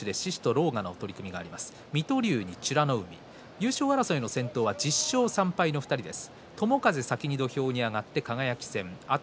優勝争いの先頭は１０勝３敗の２人です。